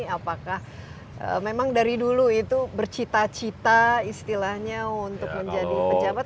apakah memang dari dulu itu bercita cita istilahnya untuk menjadi pejabat